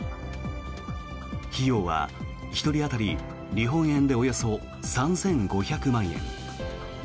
費用は１人当たり日本円でおよそ３５００万円。